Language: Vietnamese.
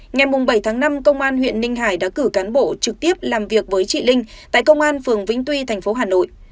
ngày bảy tháng năm công an huyện ninh hải đã cử cán bộ trực tiếp làm việc với chị linh tại công an phường vĩnh tuy thành phố hà nội